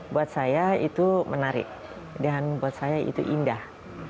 buat saya itu menarik dan buat saya itu indah